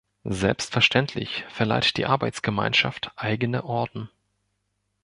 Selbstverständlich verleiht die Arbeitsgemeinschaft eigene Orden.